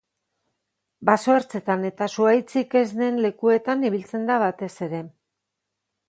Baso-ertzetan eta zuhaitzik ez den lekuetan ibiltzen da batez ere.